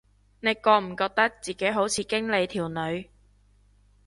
你覺唔覺得自己好似經理條女